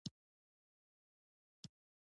هغه یو لوی پوځ روان کړ.